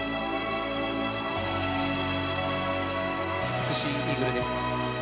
美しいイーグルです。